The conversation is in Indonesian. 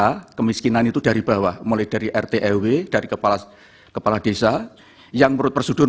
ternyata kemiskinan itu dari bawah mulai dari rtw dari kepala kepala desa yang berpersudut